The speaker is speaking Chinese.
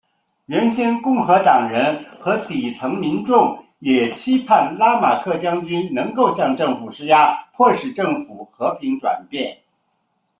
原先共和党人和底层民众也期盼拉马克将军能够向政府施压迫使政府和平转变。